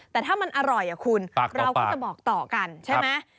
แต่ถ้ามันอร่อยคุณเราก็จะบอกต่อกันใช่ไหม